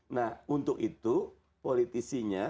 nah untuk itu politisinya